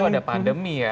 oh ada pandemi ya